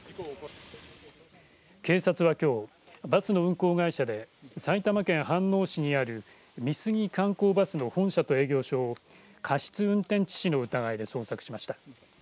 警察は、きょうバスの運行会社で埼玉県飯能市にある美杉観光バスの本社と営業所を過失運転致死の疑いで捜索しました。